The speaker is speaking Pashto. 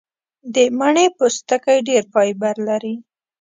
د مڼې پوستکی ډېر فایبر لري.